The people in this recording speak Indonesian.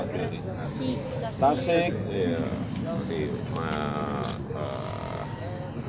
ada yang dari tasik